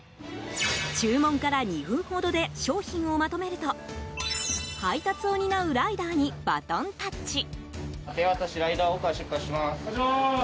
注文から２分ほどで商品をまとめると配達を担うライダーにバトンタッチ。